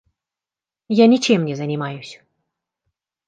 Я ничем не занимаюсь.